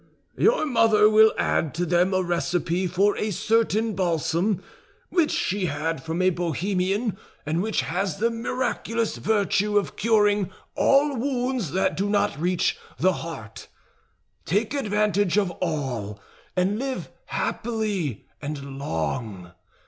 Your mother will add to them a recipe for a certain balsam, which she had from a Bohemian and which has the miraculous virtue of curing all wounds that do not reach the heart. Take advantage of all, and live happily and long.